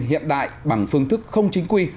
hiện đại bằng phương thức không chính quy